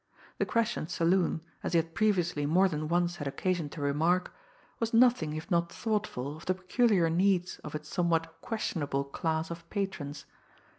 The Crescent saloon, as he had previously more than once had occasion to remark, was nothing if not thoughtful of the peculiar needs of its somewhat questionable class of patrons.